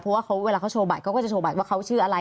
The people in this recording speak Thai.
เพราะว่าเวลาเขาโชว์บัตรเขาก็จะโชว์บัตรว่าเขาชื่ออะไร